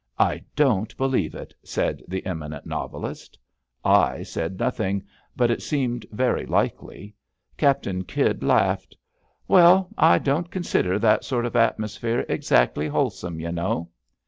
^^ I don't believe it,'' said the eminent novelist. I said nothing, but it seemed very likely. Cap tain Kydd laughed: Well, I don't consider that sort of atmosphere exactly wholesome, y' know."